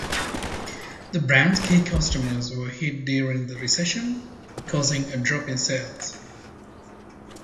The brand's key customers were hit during the recession, causing a drop in sales.